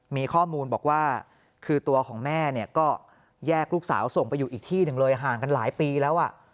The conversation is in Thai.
มีข้อมูลบอกว่าคือตัวของแม่เนี่ยก็แยกลูกสาวส่งไปอยู่อีกที่หนึ่งเลยห่างกันหลายปีแล้ว